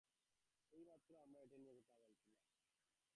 এইমাত্র আমরা এটা নিয়েই কথা বলছিলাম।